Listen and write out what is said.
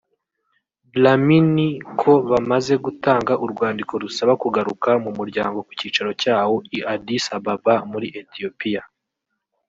Dlamini ko bamazze gutanga urwandiko rusaba kugaruka mu Muryango ku cyicaro cyawo i Addis Ababa muri Ethiopia